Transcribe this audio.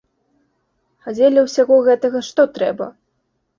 А дзеля ўсяго гэтага што трэба?